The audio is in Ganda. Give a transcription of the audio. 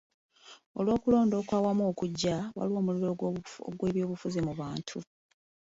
Olw'okulonda okw'awamu okujja, waliwo omuliro gw'ebyobufuzi mu bantu.